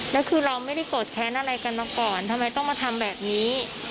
แล้วคือเราไม่ได้โกรธแค้นอะไรกันมาก่อนทำไมต้องมาทำแบบนี้